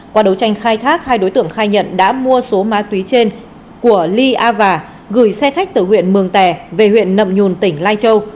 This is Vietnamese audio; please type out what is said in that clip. qua đấu tranh khai thác hai đối tượng khai nhận đã mua số ma túy trên của ly a và gửi xe khách từ huyện mường tè về huyện nậm nhùn tỉnh lai châu